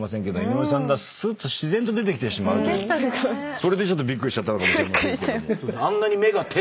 それでびっくりしちゃったのかもしれませんけども。